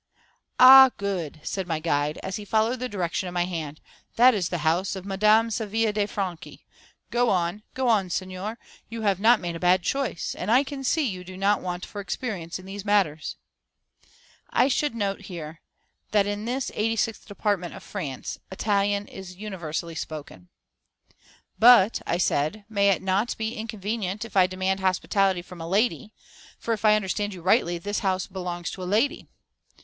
"Ah, good!" said my guide, as he followed the direction of my hand "that is the house of Madame Savilia de Franchi. Go on, go on, Signor, you have not made a bad choice, and I can see you do not want for experience in these matters." I should note here that in this 86th department of France Italian is universally spoken. "But," I said, "may it not be inconvenient if I demand hospitality from a lady, for if I understand you rightly, this house belongs to a lady."